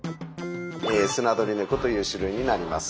スナドリネコという種類になります。